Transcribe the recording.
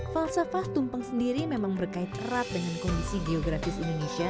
falsafah tumpeng sendiri memang berkait erat dengan kondisi geografis indonesia